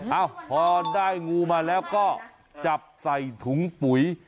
เอ้าพอได้งูมาแล้วก็จับใส่ถุงปุ๋ย